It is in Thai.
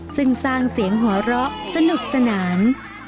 ซึ่งสร้างเสียงหัวเราะสนุกสนาน